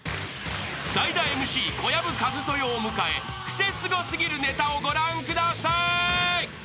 ［代打ＭＣ小籔千豊を迎えクセスゴ過ぎるネタをご覧ください］